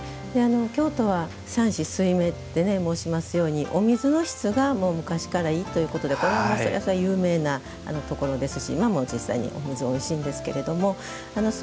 京都は山紫水明って申しますように、お水の質が昔からいいということで有名なところですし今も、実際にお水おいしいんですけど。